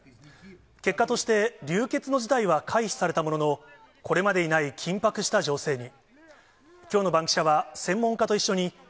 結果として、流血の事態は回避されたものの、これまでにない緊迫した情勢に。